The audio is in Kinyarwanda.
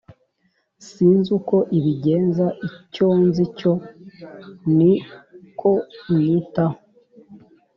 Sinzi uko ibigenza icyonzicyo niko inyitaho